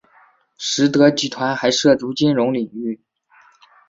实德集团还涉足金融领域。